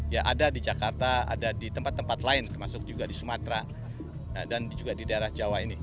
ya ada di jakarta ada di tempat tempat lain termasuk juga di sumatera dan juga di daerah jawa ini